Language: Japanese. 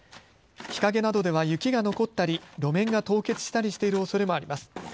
日陰などでは雪が残ったり路面が凍結したりしているおそれもあります。